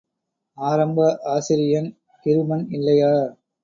ஆரம்ப ஆசிரியன் கிருபன் இல்லையா?